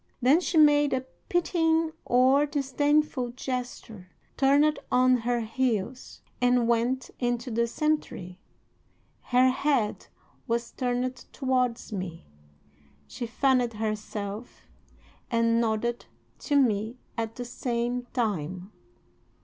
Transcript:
Then she made a pitying or disdainful gesture, turned on her heels, and went into the cemetery. Her head was turned towards me. She fanned herself and nodded to me at the same time.